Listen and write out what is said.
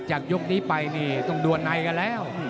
ยกนี้ไปนี่ต้องดวนในกันแล้ว